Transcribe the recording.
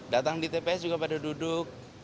datang di tps juga pada duduk